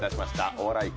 お笑い界